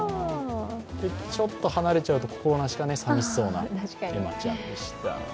ちょっと離れちゃうと心なしか寂しそうなエマちゃんでした。